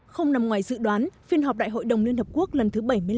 không nằm ngoài dự đoán phiên họp đại hội đồng liên hợp quốc lần thứ bảy mươi năm